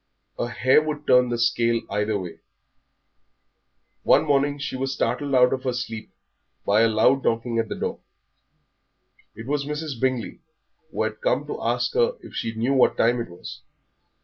A hair would turn the scale either way. One morning she was startled out of her sleep by a loud knocking at the door. It was Mrs. Bingley, who had come to ask her if she knew what time it was.